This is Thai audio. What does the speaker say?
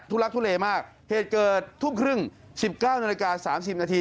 ลักทุเลมากเหตุเกิดทุ่มครึ่ง๑๙นาฬิกา๓๐นาที